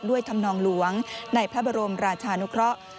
ธรรมนองหลวงในพระบรมราชานุเคราะห์